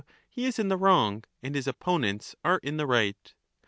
563 he is in the wrong and his opponents are in the right.